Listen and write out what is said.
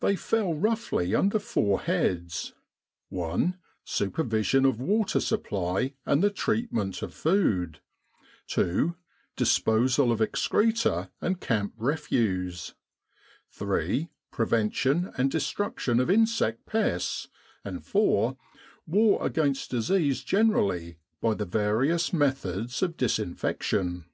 They fell roughly under four heads: (i) Supervision of water supply and the treatment of food, (2) disposal of excreta and camp refuse, (3) prevention and destruction of insect pests, and (4) war agamst disease generally by the various methods of disinfection.